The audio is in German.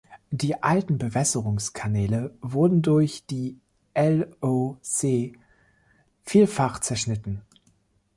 Die alten Bewässerungskanäle wurden durch die LoC vielfach zerschnitten.